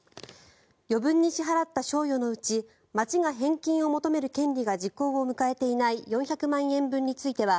余分に支払った賞与のうち町が返金を求める権利が時効を迎えていない４００万円分については